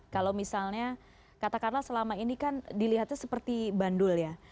kalau misalnya katakanlah selama ini kan dilihatnya seperti bandul ya